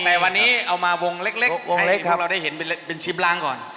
อ๋อแต่วันนี้เอามาวงเล็กให้พวกเราได้เห็นเป็นชิบล้างก่อน